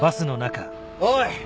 おい！